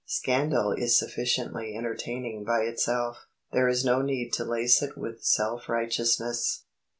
Scandal is sufficiently entertaining by itself. There is no need to lace it with self righteousness.